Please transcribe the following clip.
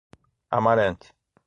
Amarante